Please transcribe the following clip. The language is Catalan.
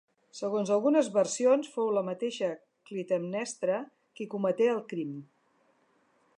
Segons algunes versions fou la mateixa Clitemnestra qui cometé el crim.